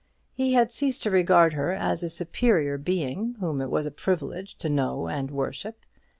He had ceased to regard her as a superior being, whom it was a privilege to know and worship.